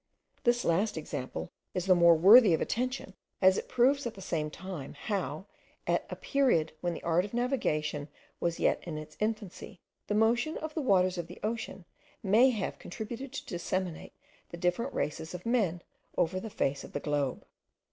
This last example is the more worthy of attention, as it proves at the same time how, at a period when the art of navigation was yet in its infancy, the motion of the waters of the ocean may have contributed to disseminate the different races of men over the face of the globe.